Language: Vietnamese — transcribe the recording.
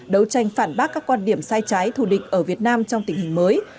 đấu tranh phản bác các quan điểm sai trái thù địch ở việt nam trong tình hình mới